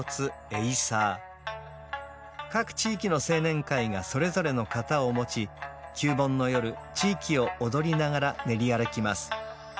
各地域の青年会がそれぞれの型を持ち旧盆の夜地域を踊りながら練り歩きます。